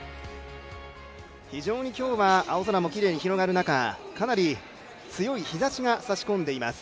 非常に今日は青空もきれいに広がる中かなり強い日ざしが差し込んでいます。